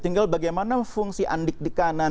tinggal bagaimana fungsi andik di kanan